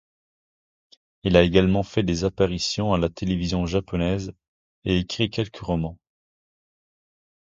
Elle a également fait des apparitions à la Télévision Japonaise et écrit quelques romans.